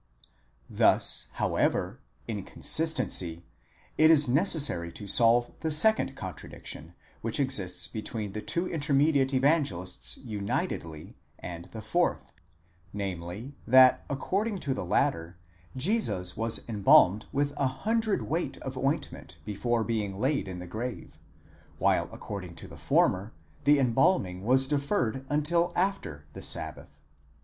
Thus however, in consistency, it is necessary to solve the second contra diction which exists between the two intermediate Evangelists unitedly and the fourth, namely, that according to the latter Jesus was embalmed with a hundred weight of ointment before being laid in the grave, while according to the former the embalming was deferred until after the sabbath.